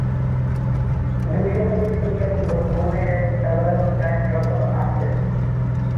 দুই শতাধিক শিক্ষার্থী বর্তমানে এ বিদ্যালয়ে অধ্যয়নরত আছে।